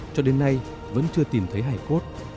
cho đến nay vẫn chưa tìm thấy hải phốt